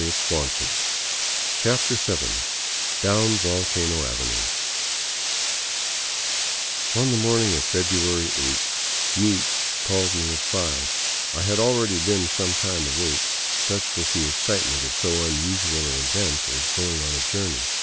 i66 CHAPTER VII DOWN VOLCANO AVENUE ON the morning of February eighth, " Meech '* called me at five. I had already been some time awake, such was the excitement of so unusual an event as going a journey.